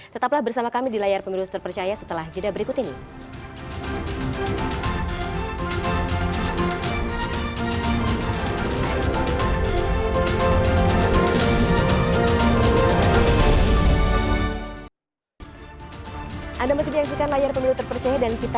tetaplah bersama kami di layar pemilu terpercaya setelah jeda berikut ini